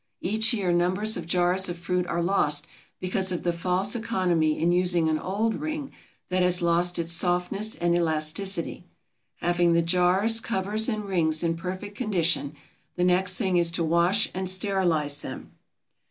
Each year numbers of jars of fruit are lost because of the false economy in using an old ring that has lost its softness and elasticity. Having the jars, covers, and rings in perfect condition, the next thing is to wash and sterilize them.